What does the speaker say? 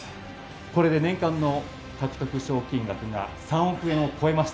これで年間の獲得賞金額が３億円を超えました。